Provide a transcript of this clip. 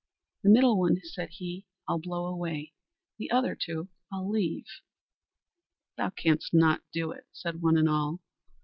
"The middle one," said he, "I'll blow away; the other two I'll leave." "Thou canst not do it," said one and all.